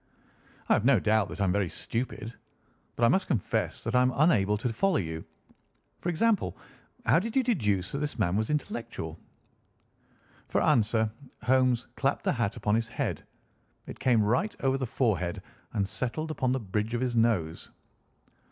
"I have no doubt that I am very stupid, but I must confess that I am unable to follow you. For example, how did you deduce that this man was intellectual?" For answer Holmes clapped the hat upon his head. It came right over the forehead and settled upon the bridge of his nose.